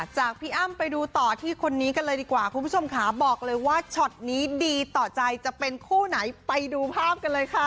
พี่อ้ำไปดูต่อที่คนนี้กันเลยดีกว่าคุณผู้ชมค่ะบอกเลยว่าช็อตนี้ดีต่อใจจะเป็นคู่ไหนไปดูภาพกันเลยค่ะ